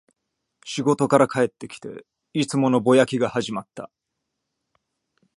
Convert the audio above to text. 仕事から帰ってきて、いつものぼやきが始まった